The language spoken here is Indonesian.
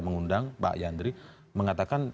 mengundang pak yandri mengatakan